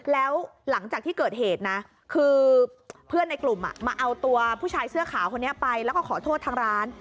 แล้วหลังจากที่เกิดเหตุนะคือเพื่อนในกลุ่มมาเอาตัวผู้ชายเสื้อขาวคนนี้ไปแล้วก็ขอโทษทางร้าน